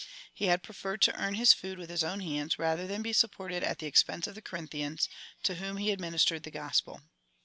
He had preferred to earn his food with his own hands, rather than be supported at the expense of the Co rinthians, to whom he administered the Gospel.